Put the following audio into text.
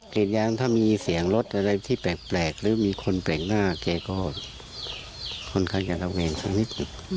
รีดยางถ้ามีเสียงรถอะไรที่แปลกหรือมีคนแปลกหน้าแกก็ค่อนข้างจะระแวงสักนิด